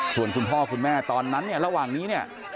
ส่วนคุณพ่อคุณแม่ตอนนั้นเนี่ยระหว่างนี้เนี่ย